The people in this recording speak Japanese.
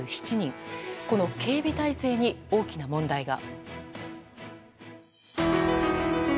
この警備態勢に大きな問題が。